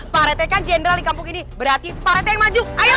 pak rt kan jenderal di kampung ini berarti pak rt yang maju ayo